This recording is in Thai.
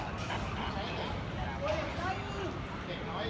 อันที่สุดท้ายก็คือภาษาอันที่สุดท้าย